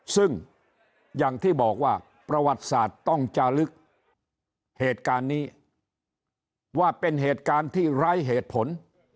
ซึ่งอย่างที่บอกว่าประวัติศาสตร์ต้องจาลึกเหตุการณ์นี้ว่าเป็นเหตุการณ์ที่ไร้เหตุผล